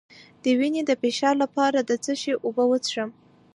د وینې د فشار لپاره د څه شي اوبه وڅښم؟